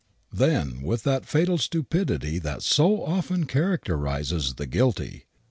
Then, with that fatal stupidity that so often characterizes the guilty.